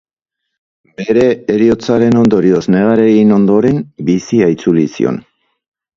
Bere heriotzaren ondorioz negar egin ondoren, bizia itzuli zion.